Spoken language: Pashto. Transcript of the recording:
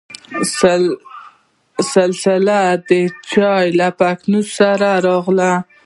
سلسله دچايو له پتنوس سره راغله.